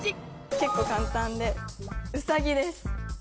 結構簡単でうさぎです。